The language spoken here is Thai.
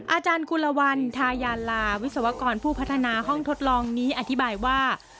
อาจารย์กุลวันทายาลาวิศวกรผู้พัฒนาห้องทดลองนี้อธิบายว่า